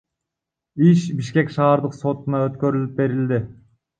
Иш Бишкек шаардык сотуна өткөрүлүп берилди.